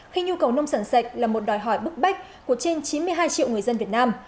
khi nhu cầu nông sản sạch là một đòi hỏi bức bách của trên chín mươi hai triệu người dân việt nam